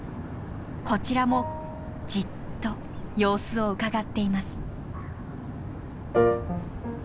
こちらもじっと様子をうかがっています。